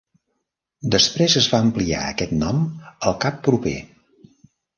Després es va ampliar aquest nom al cap proper.